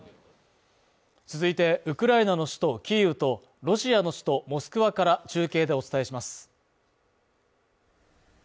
続いて、ウクライナの首都キーウとロシアの首都モスクワから中継でお伝えします。